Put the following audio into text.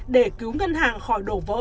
để cứu ngân hàng khỏi đổ vỡ